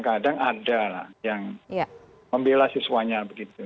kadang ada lah yang membela siswanya begitu